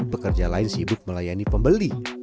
pekerja lain sibuk melayani pembeli